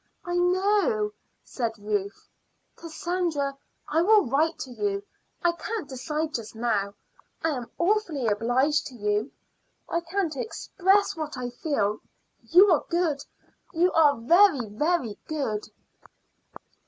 "I know," said Ruth. "Cassandra, I will write to you. I can't decide just now. I am awfully obliged to you; I can't express what I feel. You are good; you are very, very good."